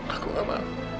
aku gak mau